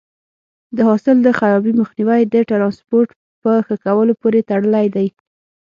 د حاصل د خرابي مخنیوی د ټرانسپورټ په ښه کولو پورې تړلی دی.